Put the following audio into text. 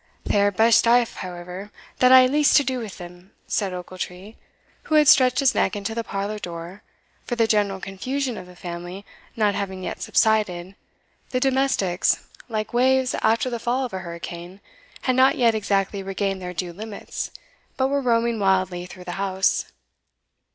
"They are best aff, however, that hae least to do with them," said Ochiltree, who had stretched his neck into the parlour door; for the general confusion of the family not having yet subsided, the domestics, like waves after the fall of a hurricane, had not yet exactly regained their due limits, but were roaming wildly through the house.